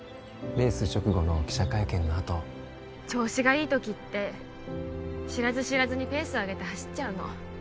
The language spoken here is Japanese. レース直後の記者会見のあと調子がいい時って知らず知らずにペースを上げて走っちゃうの